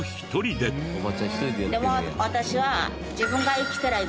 でも私は。